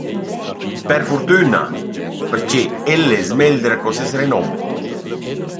Per furtüna, perche ell’es megldra co seis renom.